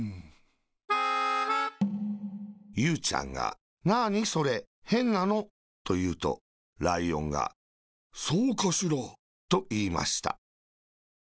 ゆうちゃんが「なーにそれ、へんなの？」というとライオンが「そうかしら。」といいました。